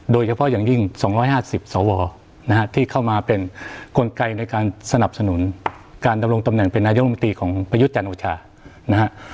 โดยเฉพาะอย่างยิ่ง๒๕๐สวนะฮะที่เข้ามาเป็นกลไกในการสนับสนุนการดำรงตำแหน่งเป็นนายกรรมตรีของประยุทธ์จันทร์โอชานะฮะ